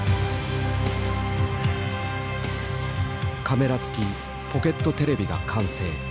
「カメラ付きポケットテレビ」が完成。